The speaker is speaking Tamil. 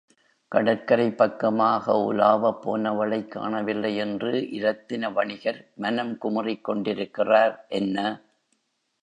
கடற்கரைப் பக்கமாக உலாவப் போனவளைக் காணவில்லை என்று இரத்தின வணிகர் மனம் குமுறிக் கொண்டிருக்கிறார். என்ன?